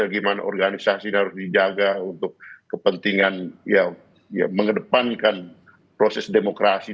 bagaimana organisasi ini harus dijaga untuk kepentingan ya mengedepankan proses demokrasi